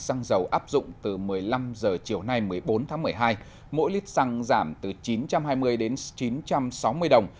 xăng dầu áp dụng từ một mươi năm h chiều nay một mươi bốn tháng một mươi hai mỗi lít xăng giảm từ chín trăm hai mươi đến chín trăm sáu mươi đồng